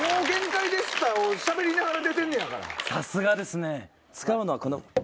さすがですね！